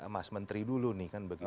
mas menteri dulu nih kan begitu